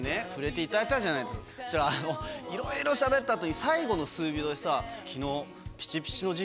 そしたらいろいろしゃべった後に最後の数秒でさ。